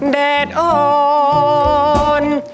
แดดอ่อน